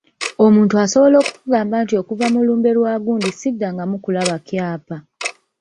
Omuntu asobola okukugamba nti okuva mu lumbe lwa gundi siddangamu kulaba kyapa.